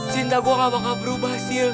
cinta gue gak bakal berubah sih